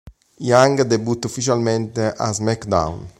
Yang debutta ufficialmente a "SmackDown!